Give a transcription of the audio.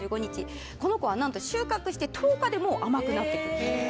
この子は何と収穫して１０日で甘くなってくると。